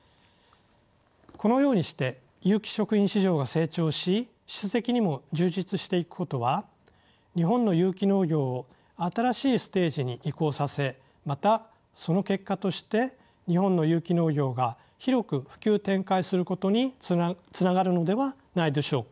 このようにして有機食品市場が成長し質的にも充実していくことは日本の有機農業を新しいステージに移行させまたその結果として日本の有機農業が広く普及展開することにつながるのではないでしょうか。